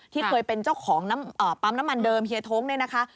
ที่เคยเป็นเจ้าของปั๊มน้ำมันเดิมเฮียท้งเนี่ยนะคะ